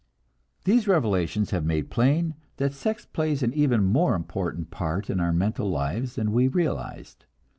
These revelations have made plain that sex plays an even more important part in our mental lives than we realized.